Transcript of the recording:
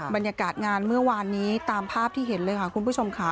บรรยากาศงานเมื่อวานนี้ตามภาพที่เห็นเลยค่ะคุณผู้ชมค่ะ